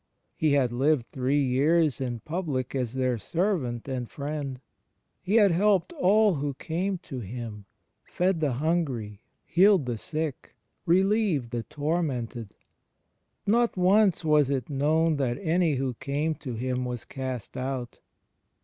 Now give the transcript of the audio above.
He had lived three years in public as their servant and friend; He had helped all who came to Him, fed the himgry, healed the sick, relieved the tormented. Not once was it known that any who came to Him was cast out.